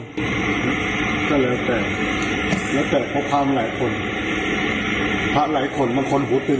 ก็แล้วแต่แล้วแต่เพราะพระมันหลายคนพระหลายคนมันคนหูตื่น